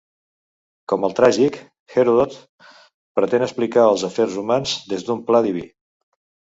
Com el tràgic, Heròdot pretén explicar els afers humans des d'un pla diví.